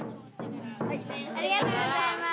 ありがとうございます。